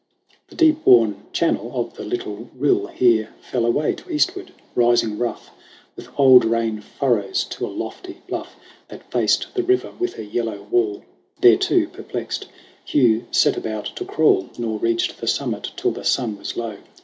The deep worn channel of the little rill Here fell away to eastward, rising, rough With old rain furrows, to a lofty bluff That faced the river with a yellow wall. Thereto, perplexed, Hugh set about to crawl, Nor reached the summit till the sun was low.